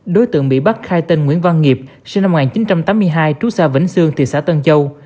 đối tượng bị bắt khai tên nguyễn văn nghiệp sinh năm một nghìn chín trăm tám mươi hai trú xa vĩnh sương thị xã tân châu